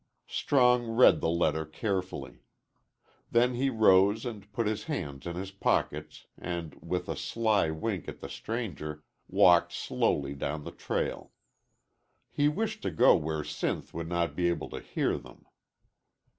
Strong read the letter carefully. Then he rose and put his hands in his pockets, and, with a sly wink at the stranger, walked slowly down the trail. He wished to go where Sinth would not be able to hear them.